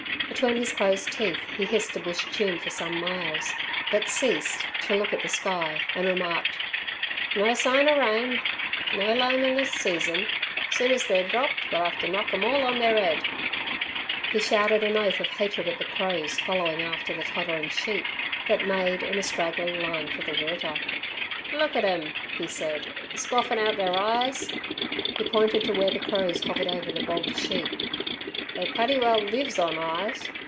Between his closed teeth he hissed a bush tune for some miles, but ceased to look at the sky, and remarked, "No sign er rain! No lambin' this season; soon as they're dropt we'll 'ave ter knock 'em all on ther 'ead!" He shouted an oath of hatred at the crows following after the tottering sheep that made in a straggling line for the water. "Look at 'em!" he said. "Scoffin' out ther eyes!" He pointed to where the crows hovered over the bogged sheep. "They putty well lives on eyes!